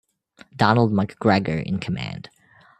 Donald McGregor in command.